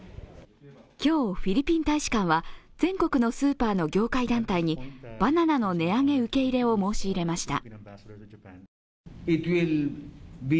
今日フィリピン大使館は全国のスーパーの業界団体にバナナの値上げ受け入れを申し入れました。